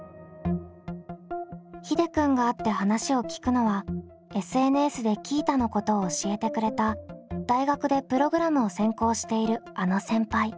ひでくんが会って話を聞くのはＳＮＳでＱｉｉｔａのことを教えてくれた大学でプログラムを専攻しているあの先輩。